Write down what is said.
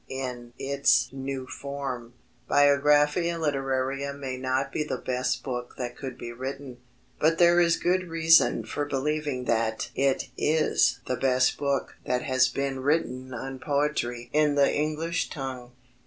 In its new form, Biographia Literaria may not be the best book that could be written, but there is good reason for believing that it is the best book that has been written on poetry in the English tongue.